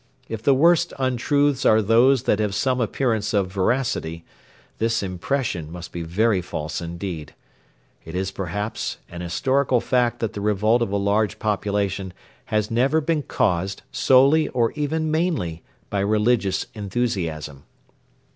If the worst untruths are those that have some appearance of veracity, this impression must be very false indeed. It is, perhaps, an historical fact that the revolt of a large population has never been caused solely or even mainly by religious enthusiasm.